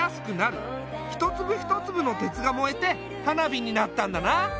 一粒一粒の鉄が燃えて花火になったんだな。